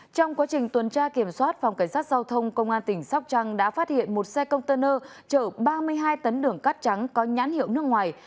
trong quá trình tuần tra kiểm soát phòng cảnh sát giao thông công an tỉnh sóc trăng đã phát hiện một xe container chở ba mươi hai tấn đường cát trắng có nhãn hiệu nước ngoài